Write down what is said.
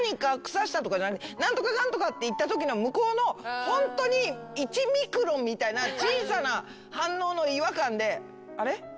何とかかんとかって言ったときの向こうのホントに１ミクロンみたいな小さな反応の違和感で。